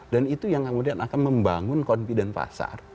dan itu yang kemudian akan membangun confident pasar